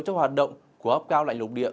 trong hoạt động của áp cao lạnh lục địa